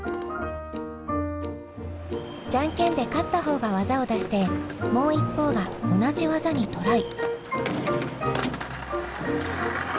じゃんけんで勝った方が技を出してもう一方が同じ技にトライ。